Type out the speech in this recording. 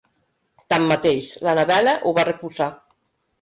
Tanmateix, l'Annabella ho va refusar.